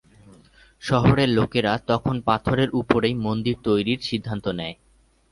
শহরের লোকেরা তখন পাথরের উপরেই মন্দির তৈরির সিদ্ধান্ত নেয়।